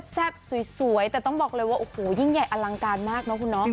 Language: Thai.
แซ่บสวยแต่ต้องบอกเลยว่ายิ่งใหญ่อลังการมากนะคุณน้อง